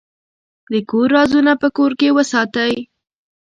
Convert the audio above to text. د کور رازونه په کور کې وساتئ.